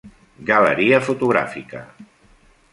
Galeria fotogràfica.